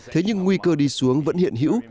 thế nhưng nguy cơ đi xuống vẫn hiện hữu